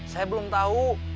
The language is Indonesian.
saya belum tahu